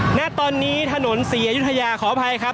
ก็น่าจะมีการเปิดทางให้รถพยาบาลเคลื่อนต่อไปนะครับ